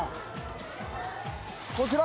こちら。